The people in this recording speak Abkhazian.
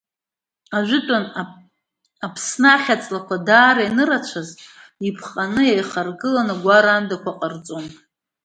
Ажәытәан, Аԥсны ахьаҵлақәа даара ианырацәаз, иԥҟаны еихаргыланы, агәараандақәа ҟарҵон.